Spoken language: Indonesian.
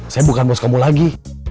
saya bukan bos kamu lagi